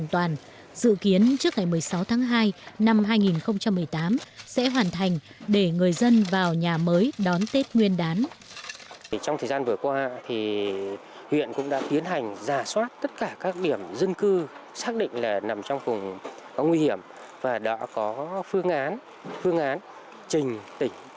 trong thời gian vừa qua huyện cũng đã tiến hành giả soát tất cả các điểm dân cư xác định là nằm trong vùng có nguy hiểm và đã có phương án trình tỉnh